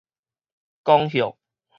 公歇